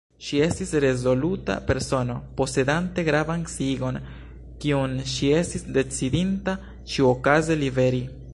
Ŝi estis rezoluta persono, posedante gravan sciigon, kiun ŝi estis decidinta ĉiuokaze liveri.